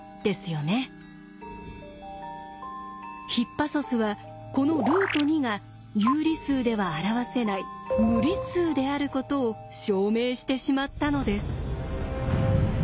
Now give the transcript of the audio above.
ヒッパソスはこのルート２が有理数では表せない無理数であることを証明してしまったのです。